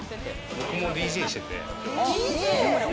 僕もＤＪしてて。